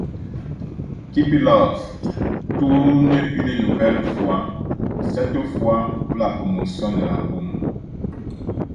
Kipelov tourne une nouvelle fois, cette fois pour la promotion de l'album.